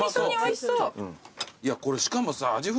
いやこれしかもさあじ